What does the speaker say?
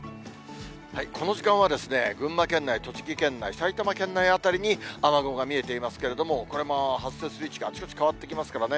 この時間はですね、群馬県内、栃木県内、埼玉県内辺りに雨雲が見えていますけれども、これも発生する位置があちこち変わってきますからね。